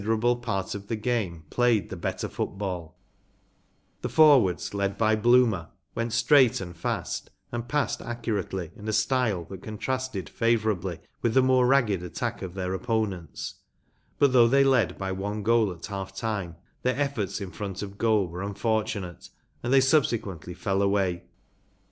The Notts men had given a very weak exhibi The forwards, led by Bloomer, went straight and fast, and passed accurately in a style that contrasted favourably with the more ragged attack of their opponents ; but though they led by one goal at half time their efforts in front of goal were unfortunate, and they subsequently fell away.